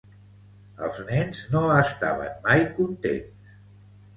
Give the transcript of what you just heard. Els nens no estaven mai contents.